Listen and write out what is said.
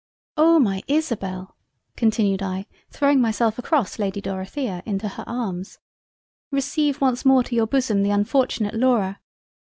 "Oh! my Isabel (continued I throwing myself across Lady Dorothea into her arms) receive once more to your Bosom the unfortunate Laura.